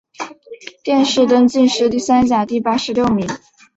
殿试登进士第三甲第八十六名。